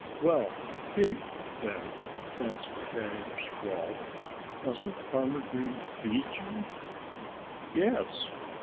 "Well Pig, then!" Jasper Jay squalled. "Doesn't Farmer Green feed you?" "Yes!"